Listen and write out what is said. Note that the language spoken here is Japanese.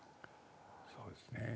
そうですね。